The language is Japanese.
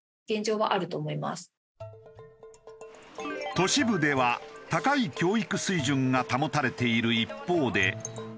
都市部では高い教育水準が保たれている一方で。